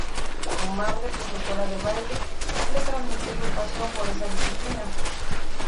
Su madre, profesora de baile, le transmitió su pasión por esa disciplina.